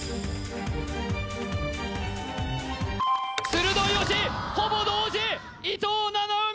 鋭い押しほぼ同時伊藤七海